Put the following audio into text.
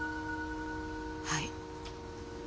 はい。